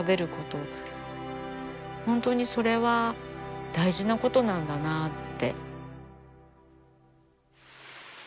本当にそれは大事なことなんだなって。